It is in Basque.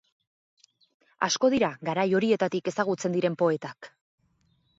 Asko dira garai horietatik ezagutzen diren poetak.